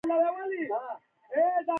کیمیاوي تعامل څه ته وایي او څنګه ترسره کیږي